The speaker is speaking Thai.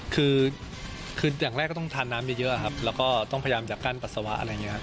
คืออย่างแรกก็ต้องทานน้ำเยอะครับแล้วก็ต้องพยายามจะกั้นปัสสาวะอะไรอย่างนี้ครับ